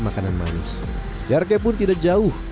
makanan manis jaraknya pun tidak jauh